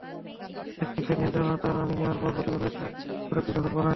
ম্যাট্রিক্সের নিয়ন্ত্রণভার আমি নেওয়ার পর প্রতি বছর একটা প্রোডাক্টিভি রেকর্ড বানাই।